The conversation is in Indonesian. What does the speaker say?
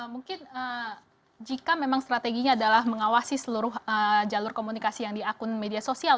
mungkin jika memang strateginya adalah mengawasi seluruh jalur komunikasi yang di akun media sosial